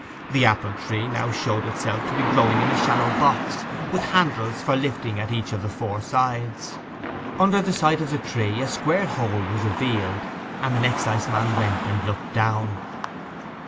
The apple tree now showed itself to be growing in a shallow box, with handles for lifting at each of the four sides. Under the site of the tree a square hole was revealed, and an exciseman went and looked down.